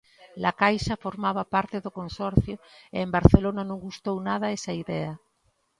La Caixa formaba parte do consorcio e en Barcelona non gustou nada esa idea.